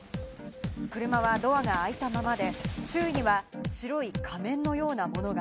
車はドアが開いたままで、周囲には白い仮面のようなものが。